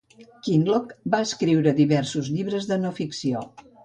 Kinloch va escriure diversos llibres de no-ficció.